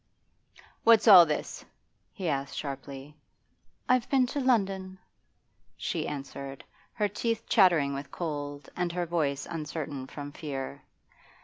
'What's all this?' he asked sharply. 'I've been to London,' she answered, her teeth chattering with cold and her voice uncertain from fear.